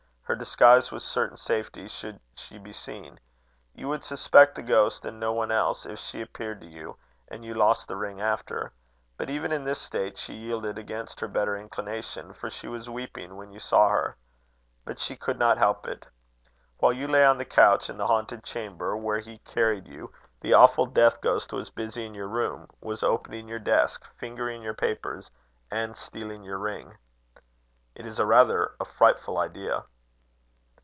Her disguise was certain safety, should she be seen. You would suspect the ghost and no one else if she appeared to you, and you lost the ring after. But even in this state she yielded against her better inclination, for she was weeping when you saw her. But she could not help it. While you lay on the couch in the haunted chamber, where he carried you, the awful death ghost was busy in your room, was opening your desk, fingering your papers, and stealing your ring. It is rather a frightful idea."